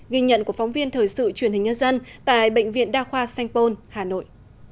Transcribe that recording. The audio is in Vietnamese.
ghi nhận của phóng viên thời sự truyền hình nhân dân tại bệnh viện đa khoa sanh pôn hà nội